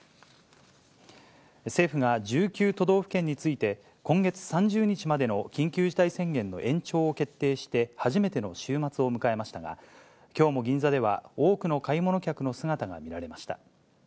政府が１９都道府県について、今月３０日までの緊急事態宣言の延長を決定して初めての週末を迎えましたが、きょうも銀座では多くの買い物客の姿が見られました。